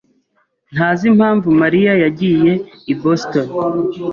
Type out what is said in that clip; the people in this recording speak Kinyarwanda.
ntazi impamvu Mariya yagiye i Boston.